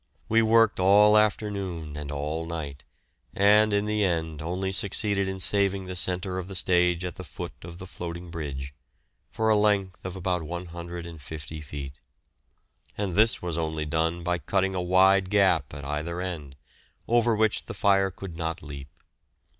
We worked all afternoon and all night, and in the end only succeeded in saving the centre of the stage at the foot of the floating bridge, for a length of about 150 feet. And this was only done by cutting a wide gap at either end, over which the fire could not leap.